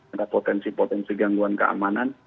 ada potensi potensi gangguan keamanan